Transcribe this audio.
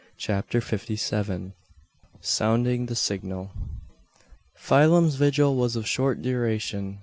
CHAPTER FIFTY SEVEN. SOUNDING THE SIGNAL. Phelim's vigil was of short duration.